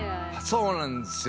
そうなんですよ。